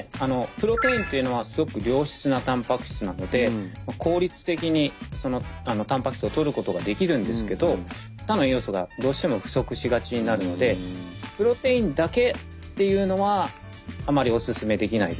プロテインというのはすごく良質なたんぱく質なので効率的にそのたんぱく質をとることができるんですけど他の栄養素がどうしても不足しがちになるのでプロテインだけっていうのはあまりオススメできないです。